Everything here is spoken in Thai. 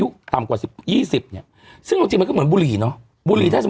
อืมอืมอืมอืมอืมอืมอืมอืม